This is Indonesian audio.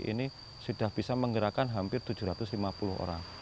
ini sudah bisa menggerakkan hampir tujuh ratus lima puluh orang